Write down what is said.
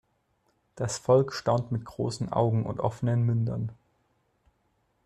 Das Volk staunt mit grossen Augen und offenen Mündern.